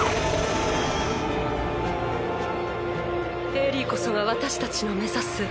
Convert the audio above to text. エリィこそが私たちの目指す